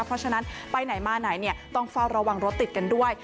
เพราะฉะนั้นไปไหนมาไหนต้องเฝ้าระวังรถติดกันด้วย